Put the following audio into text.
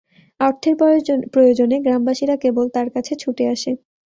অর্থের প্রয়োজনে গ্রামবাসীরা কেবল তার কাছে ছুটে আসে।